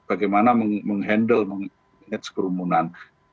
bagaimana menghandle manage kerumbunan